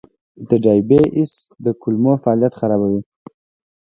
د ډایبی ایس د کولمو فعالیت خرابوي.